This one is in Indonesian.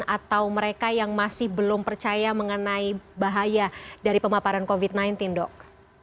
atau mereka yang masih belum percaya mengenai bahaya dari pemaparan covid sembilan belas dok